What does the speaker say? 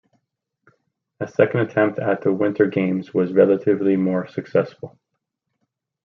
A second attempt at the winter games was relatively more successful.